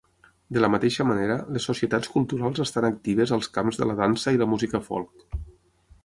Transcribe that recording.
De la mateixa manera, les societats culturals estan actives als camps de la dansa i la música folk.